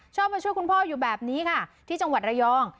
ชอบมาช่วยคุณพ่ออยู่แบบนี้ค่ะที่จังหวัดระยอง